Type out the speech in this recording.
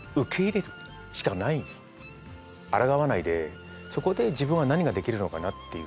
あらがわないでそこで自分は何ができるのかなっていう。